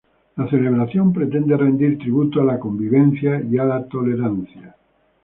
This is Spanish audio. La celebración pretende rendir tributo a la convivencia y a la tolerancia.